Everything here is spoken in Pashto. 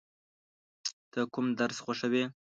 ته کوم درس خوښوې؟